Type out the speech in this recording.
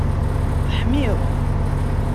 Teḥmiḍ!